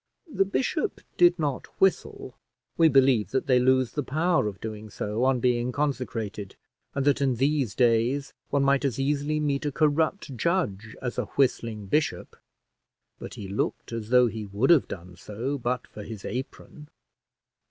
The bishop did not whistle: we believe that they lose the power of doing so on being consecrated; and that in these days one might as easily meet a corrupt judge as a whistling bishop; but he looked as though he would have done so, but for his apron.